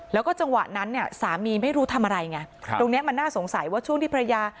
แล้วก็จังหวะนั้นเนี่ยสามีไม่รู้ทำอะไรไงตรงเนี้ยมันน่าสงสัยว่าช่วงที่ภรรยา